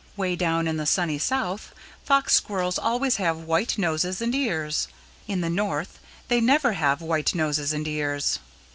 Way down in the Sunny South Fox Squirrels always have white noses and ears. In the North they never have white noses and ears.